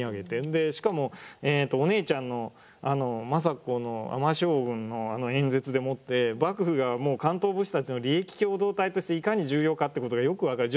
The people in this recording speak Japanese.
でしかもえっとお姉ちゃんの政子の尼将軍のあの演説でもって幕府がもう関東武士たちの利益共同体としていかに重要かっていうことがよく分かる。